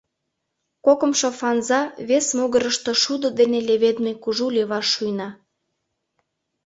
Кокымшо фанза вес могырышто шудо дене леведме кужу леваш шуйна.